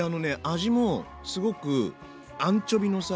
味もすごくアンチョビのさ